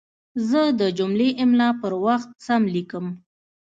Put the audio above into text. زه د جملو املا پر وخت سم لیکم.